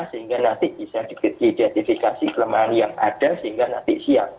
sehingga nanti bisa diidentifikasi kelemahan yang ada sehingga nanti siap